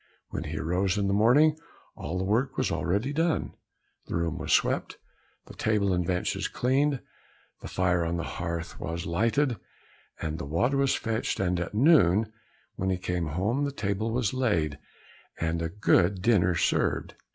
When he arose in the morning, all the work was already done, the room was swept, the table and benches cleaned, the fire on the hearth was lighted, and the water was fetched, and at noon, when he came home, the table was laid, and a good dinner served.